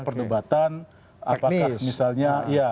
perdebatan apakah misalnya